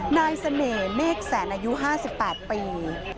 นายเสน่ห์เมฆแสนอายุ๕๘ปี